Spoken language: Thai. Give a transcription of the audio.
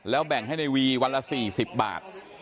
แบ่งให้ในวีวันละ๔๐บาท